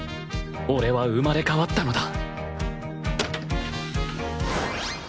俺は生まれ変わったのだ